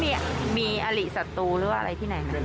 พ่อเมียมีอาหรี่สัตว์ดูหรือว่าอะไรที่ไหน